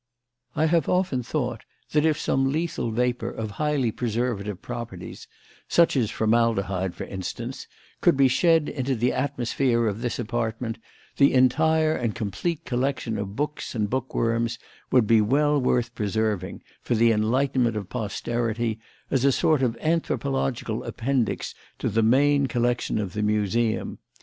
I have often thought that, if some lethal vapour of highly preservative properties such as formaldehyde, for instance could be shed into the atmosphere of this apartment, the entire and complete collection of books and bookworms would be well worth preserving, for the enlightenment of posterity, as a sort of anthropological appendix to the main collection of the Museum.